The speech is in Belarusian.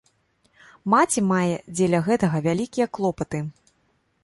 Маці мае дзеля гэтага вялікія клопаты.